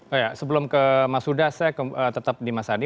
oh ya sebelum ke mas huda saya tetap di mas adi